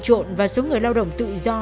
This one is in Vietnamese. trộn và số người lao động tự do